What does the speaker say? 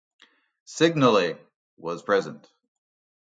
Signalling was present.